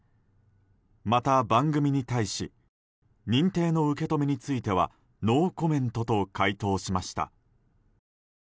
また、番組に対し認定の受け止めについてはノーコメントと回答しました。